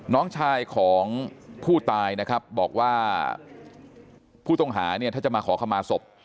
น้องชายของผู้ตายนะครับบอกว่าผู้ต้องหาเนี่ยถ้าจะมาขอขมาศพ